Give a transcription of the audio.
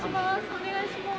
お願いします。